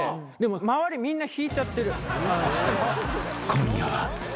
［今夜は］